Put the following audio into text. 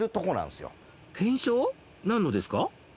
何のですか？